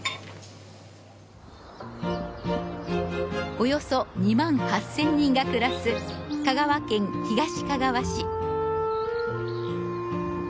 およそ２万８０００人が暮らす香川県東かがわ市。